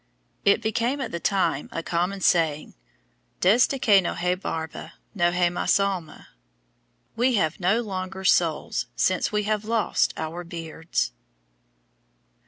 It became at the time a common saying, "Desde que no hay barba, no hay mas alma." We have no longer souls since we have lost our beards.